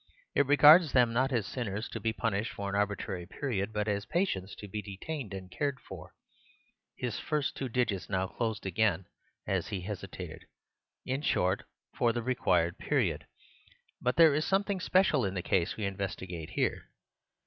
It regards them not as sinners to be punished for an arbitrary period, but as patients to be detained and cared for," (his first two digits closed again as he hesitated)—"in short, for the required period. But there is something special in the case we investigate here.